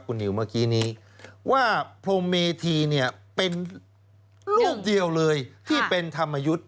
คุณนิวเมื่อกี้นี้ว่าพรมเมธีเนี่ยเป็นรูปเดียวเลยที่เป็นธรรมยุทธ์